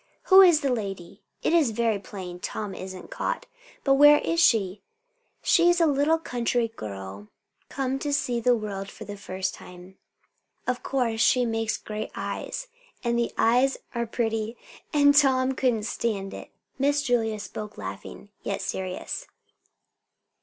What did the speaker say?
"Who is the lady? It is very plain Tom isn't caught. But where is she?" "She is a little country girl come to see the world for the first time. Of course she makes great eyes; and the eyes are pretty; and Tom couldn't stand it." Miss Julia spoke laughing, yet serious.